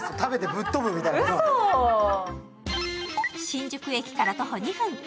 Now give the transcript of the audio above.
新宿駅から徒歩２分。